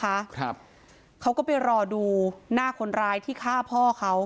ครับเขาก็ไปรอดูหน้าคนร้ายที่ฆ่าพ่อเขา